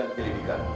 ya allah ya